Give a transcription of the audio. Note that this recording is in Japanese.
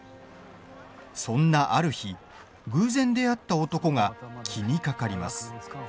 そんなある日、偶然出会った男が気にかかります。